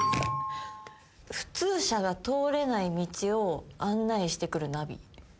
普通車が通れない道を案内してくるナビ。